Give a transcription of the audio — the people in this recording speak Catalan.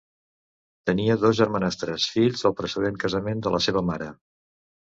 Tenia dos germanastres, fills del precedent casament de la seva mare.